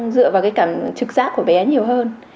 dựa vào cái cảm trực giác của bé nhiều hơn